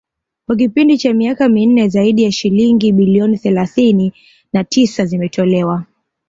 kwa kipindi cha miaka minne zaidi ya shilingi bilioni thelathini na tisa zimetolewa